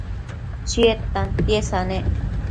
Chied tantiesa nec